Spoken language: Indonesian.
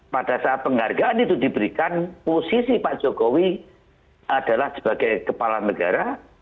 pada saat penghargaan itu diberikan posisi pak jokowi adalah sebagai kepala negara